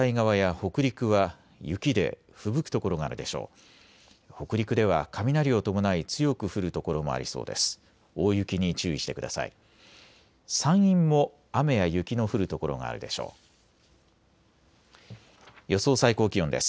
北陸では雷を伴い強く降る所もありそうです。